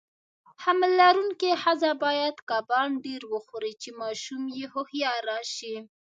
حمل لرونکي خزه باید کبان ډیر وخوري، چی ماشوم یی هوښیار راشي.